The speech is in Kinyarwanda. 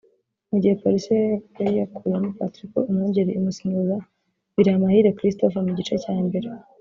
mu gihe Police yo yari yakuyemo Patrick Umwungeri imusimbuza Biramahire Christophe mu gice cya mbere